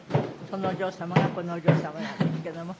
そのお嬢様がこのお嬢様なんですけども。